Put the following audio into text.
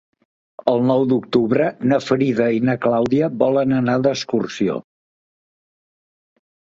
El nou d'octubre na Frida i na Clàudia volen anar d'excursió.